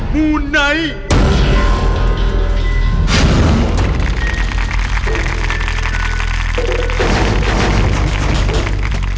มูไนท์